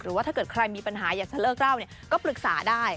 ว่าถ้าเกิดใครมีปัญหาอยากจะเลิกเล่าก็ปรึกษาได้